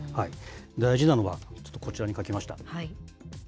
大事なのは、ちょっとこちらに書きました。